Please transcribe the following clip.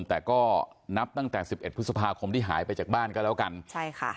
แต่ก็นับตั้งแต่สิบเอ็ดพฤษภาคมที่หายไปจากบ้านก็แล้วกันใช่ค่ะ